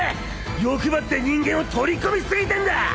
欲張って人間を取り込みすぎてんだ！